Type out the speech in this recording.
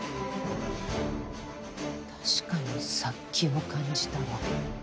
確かに殺気を感じたわ。